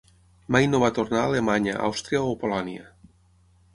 Mai no va tornar a Alemanya, Àustria o Polònia.